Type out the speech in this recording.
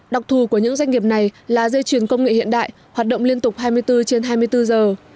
đặc thù của những doanh nghiệp này là dây chuyền công nghệ hiện đại hoạt động liên tục hai mươi bốn trên hai mươi bốn giờ